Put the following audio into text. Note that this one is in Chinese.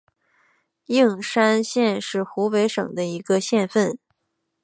应山县是湖北省的一个县份。